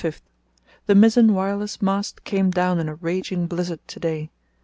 —The mizzen wireless mast came down in a raging blizzard to day.